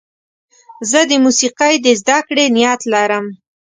زه د موسیقۍ د زدهکړې نیت لرم.